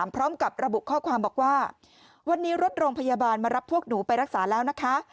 พร้อมกับระบุข้อความบอกว่าวันนี้รถโรงพยาบาลมารับพวกหนูไปรักษาแล้วนะคะ